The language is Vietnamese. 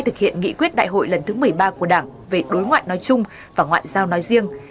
thực hiện nghị quyết đại hội lần thứ một mươi ba của đảng về đối ngoại nói chung và ngoại giao nói riêng